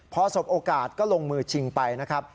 พอสบโอกาสก็ลงมือชิงไปนะครับ